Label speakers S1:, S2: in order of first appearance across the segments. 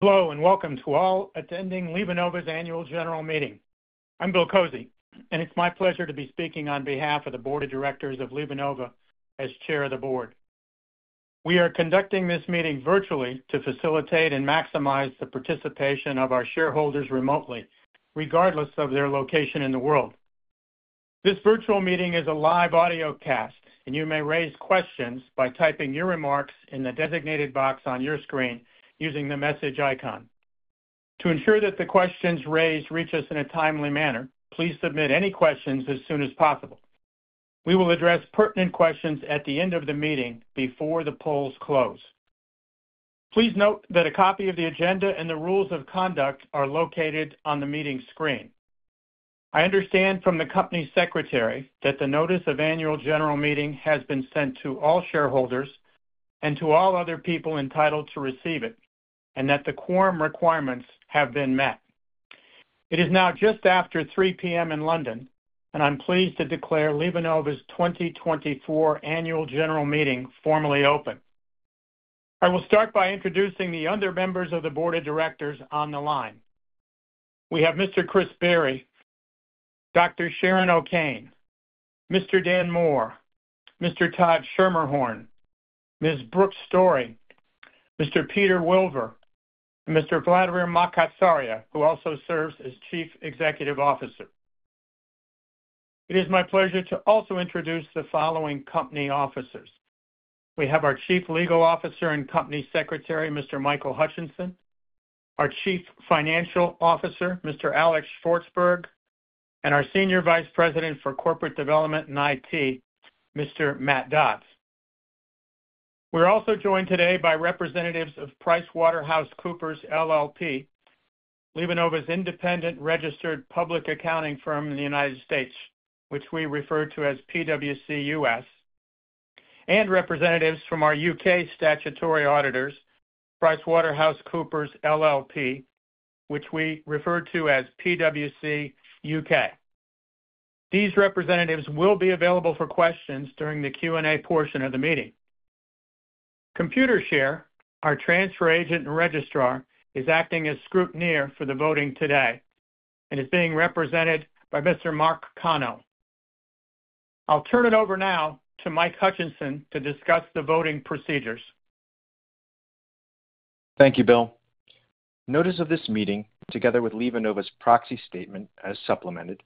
S1: Hello, and welcome to all attending LivaNova's annual general meeting. I'm Bill Kozy, and it's my pleasure to be speaking on behalf of the Board of Directors of LivaNova as Chair of the Board. We are conducting this meeting virtually to facilitate and maximize the participation of our shareholders remotely, regardless of their location in the world. This virtual meeting is a live audio cast, and you may raise questions by typing your remarks in the designated box on your screen using the message icon. To ensure that the questions raised reach us in a timely manner, please submit any questions as soon as possible. We will address pertinent questions at the end of the meeting before the polls close. Please note that a copy of the agenda and the rules of conduct are located on the meeting screen. I understand from the company secretary that the notice of annual general meeting has been sent to all shareholders and to all other people entitled to receive it, and that the quorum requirements have been met. It is now just after 3:00 P.M. in London, and I'm pleased to declare LivaNova's 2024 annual general meeting formally open. I will start by introducing the other members of the Board of Directors on the line. We have Mr. Chris Barry, Dr. Sharon O'Kane, Mr. Dan Moore, Mr. Todd Schermerhorn, Ms. Brooke Story, Mr. Peter Wilver, and Mr. Vladimir Makatsaria, who also serves as Chief Executive Officer. It is my pleasure to also introduce the following company officers. We have our Chief Legal Officer and Company Secretary, Mr. Michael Hutchinson, our Chief Financial Officer, Mr. Alex Shvartsburg, and our Senior Vice President for Corporate Development and IT, Mr. Matt Dodds. We're also joined today by representatives of PricewaterhouseCoopers LLP, LivaNova's independent registered public accounting firm in the United States, which we refer to as PwC US, and representatives from our UK statutory auditors, PricewaterhouseCoopers LLP, which we refer to as PwC UK. These representatives will be available for questions during the Q&A portion of the meeting. Computershare, our transfer agent and registrar, is acting as scrutineer for the voting today and is being represented by Mr. Mark Connell. I'll turn it over now to Mike Hutchinson to discuss the voting procedures.
S2: Thank you, Bill. Notice of this meeting, together with LivaNova's proxy statement as supplemented,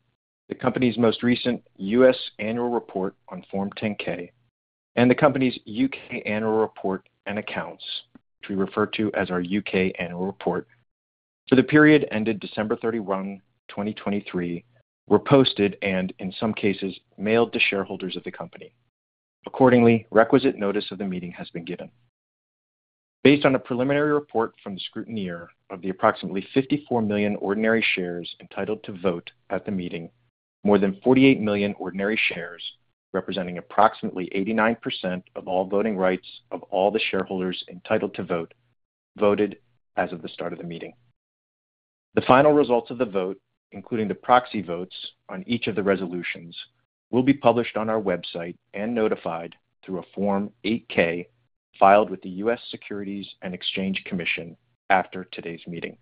S2: the company's most recent U.S. annual report on Form 10-K, and the company's U.K. annual report and accounts, which we refer to as our U.K. annual report, for the period ended December 31, 2023, were posted and, in some cases, mailed to shareholders of the company. Accordingly, requisite notice of the meeting has been given. Based on a preliminary report from the scrutineer of the approximately 54 million ordinary shares entitled to vote at the meeting, more than 48 million ordinary shares, representing approximately 89% of all voting rights of all the shareholders entitled to vote, voted as of the start of the meeting. The final results of the vote, including the proxy votes on each of the resolutions, will be published on our website and notified through a Form 8-K filed with the U.S. Securities and Exchange Commission after today's meeting.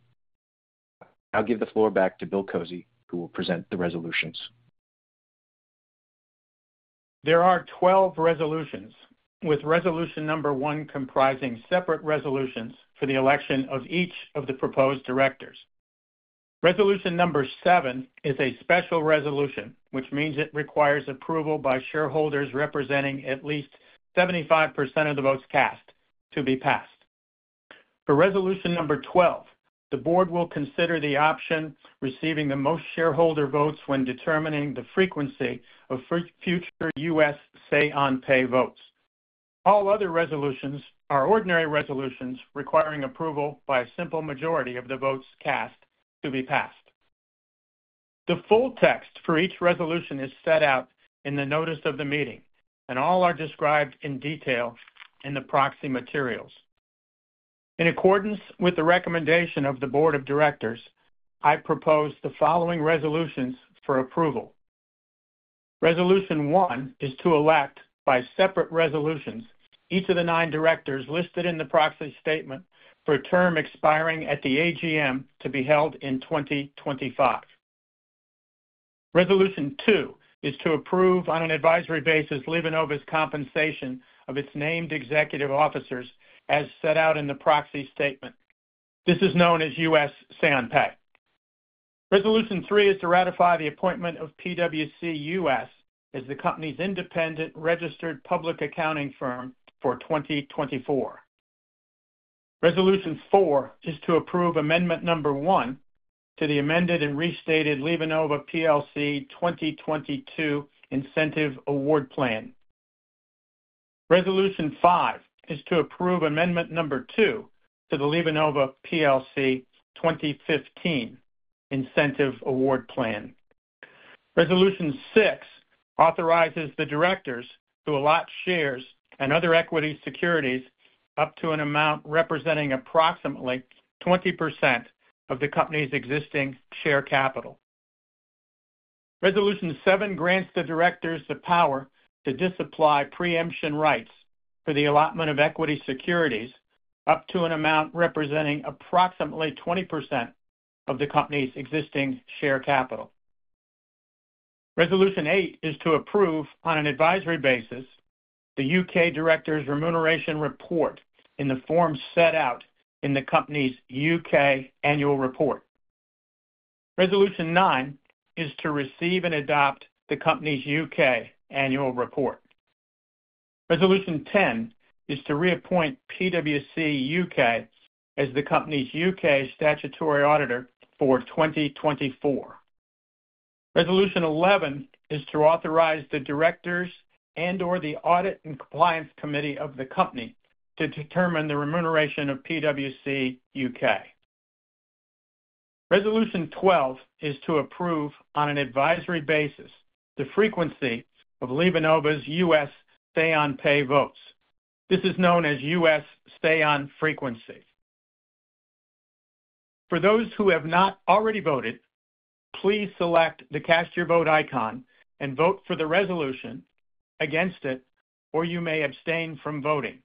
S2: I'll give the floor back to Bill Kozy, who will present the resolutions.
S1: There are 12 resolutions, with Resolution Number 1 comprising separate resolutions for the election of each of the proposed directors. Resolution Number 7 is a special resolution, which means it requires approval by shareholders representing at least 75% of the votes cast to be passed. For Resolution Number 12, the Board will consider the option receiving the most shareholder votes when determining the frequency of future U.S. Say-on-Pay votes. All other resolutions are ordinary resolutions requiring approval by a simple majority of the votes cast to be passed. The full text for each resolution is set out in the notice of the meeting, and all are described in detail in the proxy materials. In accordance with the recommendation of the Board of Directors, I propose the following resolutions for approval. Resolution 1 is to elect by separate resolutions each of the nine directors listed in the proxy statement for a term expiring at the AGM to be held in 2025. Resolution 2 is to approve on an advisory basis LivaNova's compensation of its named executive officers as set out in the proxy statement. This is known as U.S. Say-on-Pay. Resolution 3 is to ratify the appointment of PwC US as the company's independent registered public accounting firm for 2024. Resolution 4 is to approve Amendment Number 1 to the amended and restated LivaNova PLC 2022 Incentive Award Plan. Resolution 5 is to approve Amendment Number 2 to the LivaNova PLC 2015 Incentive Award Plan. Resolution 6 authorizes the directors to allot shares and other equity securities up to an amount representing approximately 20% of the company's existing share capital. Resolution 7 grants the directors the power to disapply preemption rights for the allotment of equity securities up to an amount representing approximately 20% of the company's existing share capital. Resolution 8 is to approve on an advisory basis the U.K. directors' remuneration report in the form set out in the company's U.K. annual report. Resolution 9 is to receive and adopt the company's U.K. annual report. Resolution 10 is to reappoint PwC U.K. as the company's U.K. statutory auditor for 2024. Resolution 11 is to authorize the directors and/or the audit and compliance committee of the company to determine the remuneration of PwC U.K. Resolution 12 is to approve on an advisory basis the frequency of LivaNova's U.S. Say-on-Pay votes. This is known as U.S. Say-on-Frequency. For those who have not already voted, please select the Cast Your Vote icon and vote for the resolution against it, or you may abstain from voting.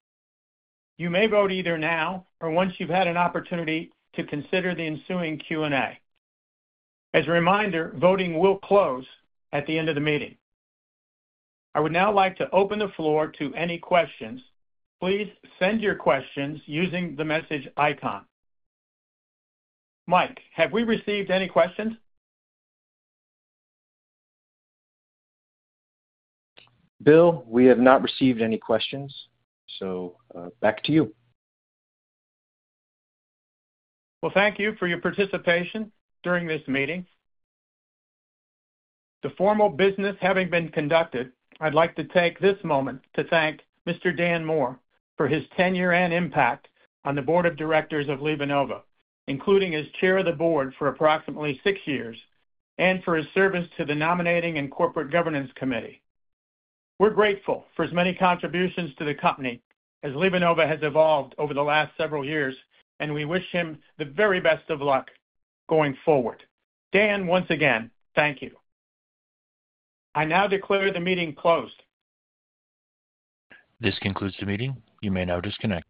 S1: You may vote either now or once you've had an opportunity to consider the ensuing Q&A. As a reminder, voting will close at the end of the meeting. I would now like to open the floor to any questions. Please send your questions using the message icon. Mike, have we received any questions?
S2: Bill, we have not received any questions, so back to you.
S1: Well, thank you for your participation during this meeting. The formal business having been conducted, I'd like to take this moment to thank Mr. Dan Moore for his tenure and impact on the Board of Directors of LivaNova, including as Chair of the Board for approximately six years and for his service to the Nominating and Corporate Governance Committee. We're grateful for as many contributions to the company as LivaNova has evolved over the last several years, and we wish him the very best of luck going forward. Dan, once again, thank you. I now declare the meeting closed.
S2: This concludes the meeting. You may now disconnect.